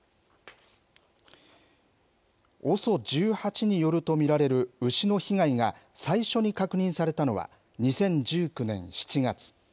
ＯＳＯ１８によると見られる牛の被害が最初に確認されたのは、２０１９年７月。